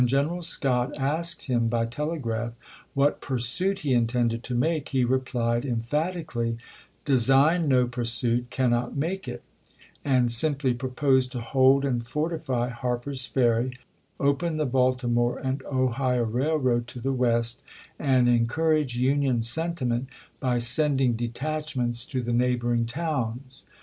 xvm. General Scott asked him by telegraph what pursuit Patterson he intended to make, he replied emphatically, " De ^i^g^^'j ^^f® sign no pursuit ; cannot make it "; and simply pro ^i.fjp^egk posed to hold and fortify Harper's Ferry, open the Baltimore and Ohio Eailroad to the West, and en courage Union sentiment by sending detachments to the neighboring towns.